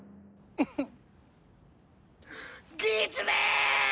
フフフッ